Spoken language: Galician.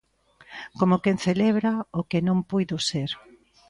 Como quen celebra o que non puido ser.